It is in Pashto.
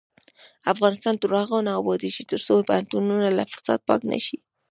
افغانستان تر هغو نه ابادیږي، ترڅو پوهنتونونه له فساده پاک نشي.